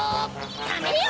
ダメよ